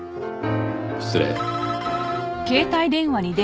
失礼。